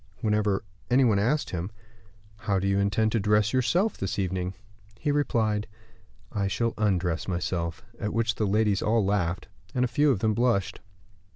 Whenever any one asked him, "How do you intend to dress yourself this evening?" he replied, "I shall undress myself;" at which the ladies all laughed, and a few of them blushed.